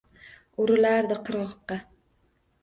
Urilardi qirg’oqqa.